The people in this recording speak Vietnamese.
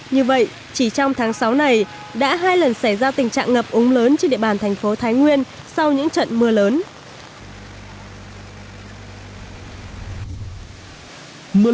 như vậy chỉ trong tháng sáu này đã hai lần xảy ra tình trạng ngập úng lớn trên địa bàn thành phố thái nguyên sau những trận mưa lớn